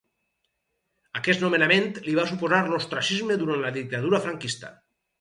Aquest nomenament li va suposar l'ostracisme durant la dictadura franquista.